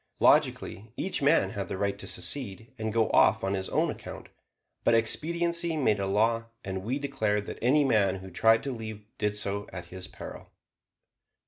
Logically, each man had the right to secede, and go off on his own account, but expediency made a law and we declared that any man who tried to leave did so at his peril.